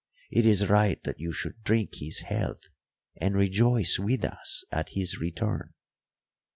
It is right that you should drink his health and rejoice with us at his return."